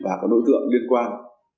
và các đối tượng liên quan